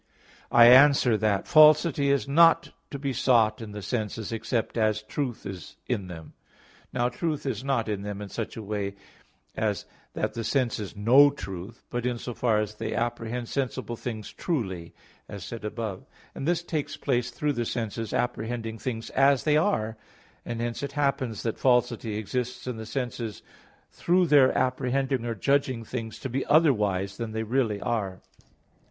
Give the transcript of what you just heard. I answer that, Falsity is not to be sought in the senses except as truth is in them. Now truth is not in them in such a way as that the senses know truth, but in so far as they apprehend sensible things truly, as said above (Q. 16, A. 2), and this takes place through the senses apprehending things as they are, and hence it happens that falsity exists in the senses through their apprehending or judging things to be otherwise than they really are.